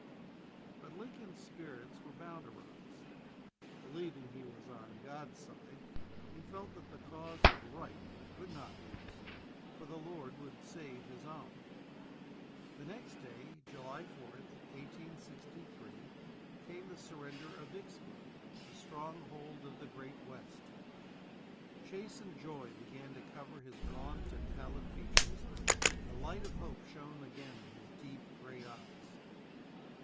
But Lincoln's spirits were bound to rise. Believing he was "on God's side," he felt that the cause of Right could not lose, for the Lord would save His own. The next day, July 4th, 1863, came the surrender of Vicksburg, the stronghold of the great West. Chastened joy began to cover his gaunt and pallid features, and the light of hope shone again in his deep, gray eyes.